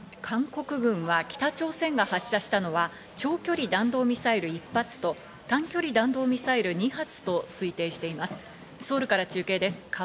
韓国軍は北朝鮮が発射したのは長距離弾道ミサイル１発と短距離弾道ミサイル２発と推定しています。